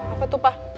apa tuh pa